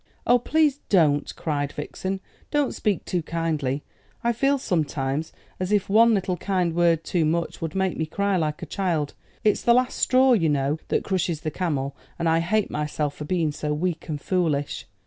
"Oh, please don't!" cried Vixen; "don't speak too kindly. I feel sometimes as if one little kind word too much would make me cry like a child. It's the last straw, you know, that crushes the camel; and I hate myself for being so weak and foolish."